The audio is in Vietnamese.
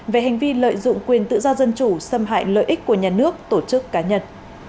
về hành vi lợi dụng quyền tự do dân chủ xâm hại lợi ích của nhà nước tổ chức cá nhân